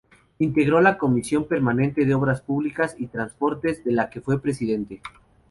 Integró la Comisión Permanente de Obras Públicas y Transportes, de la que fue presidente.